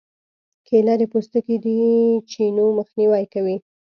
کېله د پوستکي د چینو مخنیوی کوي.